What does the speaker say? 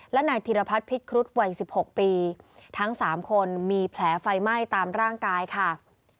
และนายธิรพัฒน์พิษครุฑวัย๑๖ปีทั้ง๓คนมีแผลไฟไหม้ตามร่างกายค่ะ